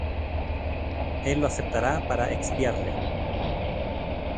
él lo aceptará para expiarle.